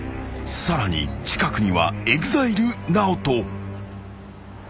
［さらに近くにはＥＸＩＬＥＮＡＯＴＯ］